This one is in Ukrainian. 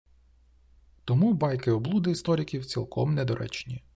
Тому «байки-облуди» істориків цілком недоречні